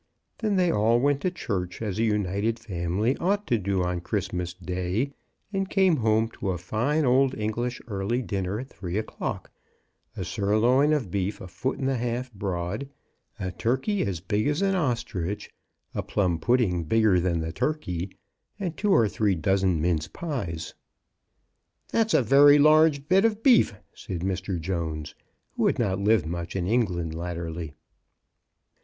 Then they all went to church, as a united family ought to do on Christmas day, and came home to a fine old English early dinner at three o'clock, — a sirloin of beef a foot and a half broad, a turkey as big as an os trich, a plum pudding bigger ,s.jh, "» than the turkey, and two or three dozen mince pies, "That's a very large bit of beef," said Mr. Jones, who had not lived much in England latterly.